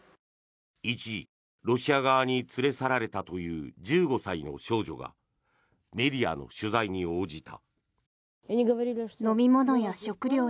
一時、ロシア側に連れ去られたという１５歳の少女がメディアの取材に応じた。